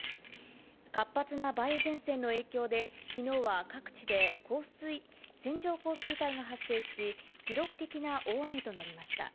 活発な梅雨前線の影響で、きのうは各地で線状降水帯が発生し、記録的な大雨となりました。